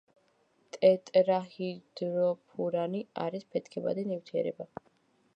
ტეტრაჰიდროფურანი არის ფეთქებადი ნივთიერება.